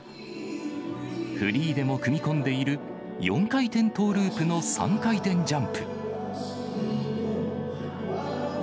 フリーでも組み込んでいる４回転トーループの３回転ジャンプ。